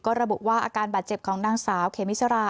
ก็ระบุว่าอาการบาดเจ็บของนางสาวเคมิสรา